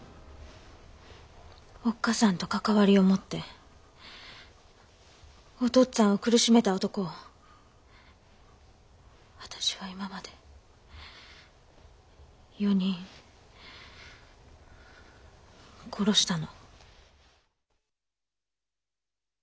おっ母さんと関わりを持ってお父っつぁんを苦しめた男を私は今まで４人殺したの。